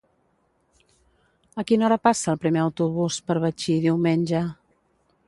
A quina hora passa el primer autobús per Betxí diumenge?